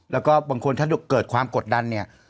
แล้วก็บางคนถ้าเกิดความกดดันเนี่ย